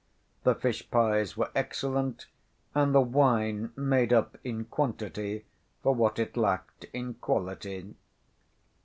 The fish‐pies were excellent, and the wine made up in quantity for what it lacked in quality.